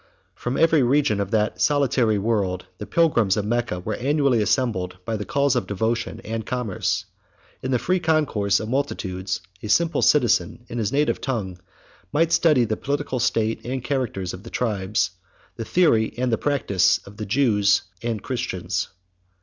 From every region of that solitary world, the pilgrims of Mecca were annually assembled, by the calls of devotion and commerce: in the free concourse of multitudes, a simple citizen, in his native tongue, might study the political state and character of the tribes, the theory and practice of the Jews and Christians.